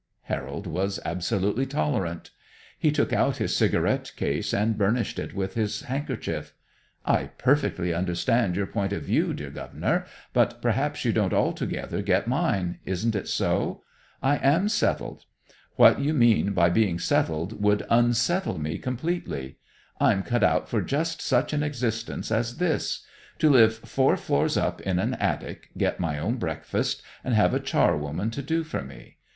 Harold was absolutely tolerant. He took out his cigarette case and burnished it with his handkerchief. "I perfectly understand your point of view, dear Governor, but perhaps you don't altogether get mine. Isn't it so? I am settled. What you mean by being settled, would unsettle me, completely. I'm cut out for just such an existence as this; to live four floors up in an attic, get my own breakfast, and have a charwoman to do for me.